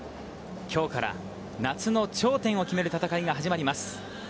きょうから夏の頂点を決める戦いが始まります。